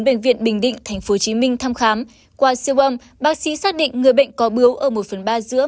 bệnh viện bình định tp hcm thăm khám qua siêu âm bác sĩ xác định người bệnh có bưu ở một phần ba giữa